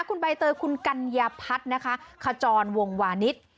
คุณใบเตยคุณกัญญาพัฒน์นะคะขจรวงวานิส